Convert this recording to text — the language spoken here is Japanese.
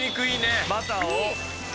バターを。